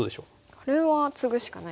これはツグしかないですね。